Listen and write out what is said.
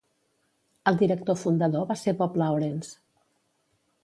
El director fundador va ser Bob Lawrence.